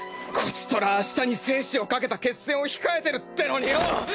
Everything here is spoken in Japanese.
こちとら明日に生死をかけた決戦を控えてるってのによぉ！